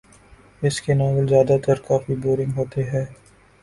اس کے ناولزیادہ ت کافی بورنگ ہوتے ہے